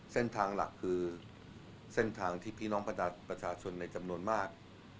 เส้นทางหลักคือเส้นทางที่พี่น้องประชาชนในจำนวนมาก